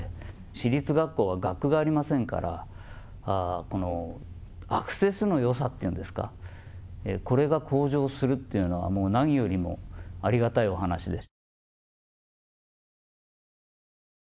私立学校は学区がありませんからアクセスのよさというんですかこれが向上するというのは何よりもありがたいお話です。